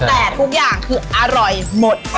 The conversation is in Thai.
แต่ทุกอย่างคืออร่อยหมด